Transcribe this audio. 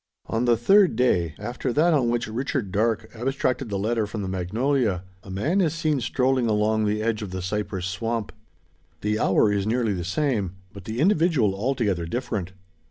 On the third day, after that on which Richard Darke abstracted the letter from the magnolia, a man is seen strolling along the edge of the cypress swamp. The hour is nearly the same, but the individual altogether different.